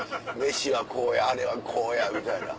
飯はこうやあれはこうやみたいな。